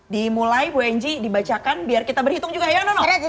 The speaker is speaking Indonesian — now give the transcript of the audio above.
dimulai bu enge dibacakan biar kita berhitung juga ya nono